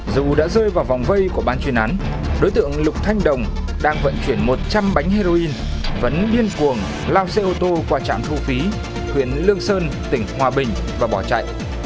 dù đã rơi vào vòng vây của ban chuyên án đối tượng lục thanh đồng đang vận chuyển một trăm linh bánh heroin vẫn điên cuồng lao xe ô tô qua trạm thu phí huyện lương sơn tỉnh hòa bình và bỏ chạy